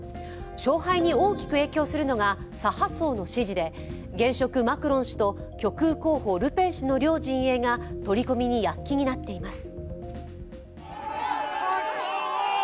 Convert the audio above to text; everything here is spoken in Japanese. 勝敗に大きく影響するのが左派層の支持で現職マクロン氏と極右候補ルペン氏の両陣営が取り込みに躍起になっています。